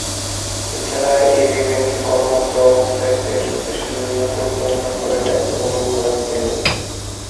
এছাড়া এবি ব্যাংকে কর্মরত অবস্থায় দেশ-বিদেশের বিভিন্ন গুরুত্বপূর্ণ পদে দায়িত্ব পালন করেন তিনি।